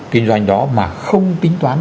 kinh doanh đó mà không tính toán